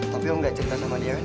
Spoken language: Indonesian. tapi om gak cerita sama dia ya kan